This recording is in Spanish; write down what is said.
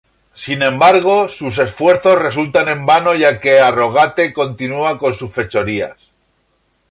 Sin embargo, sus esfuerzos resultan en vano ya que Harrogate continúa con sus fechorías.